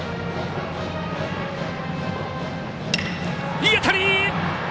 いい当たり！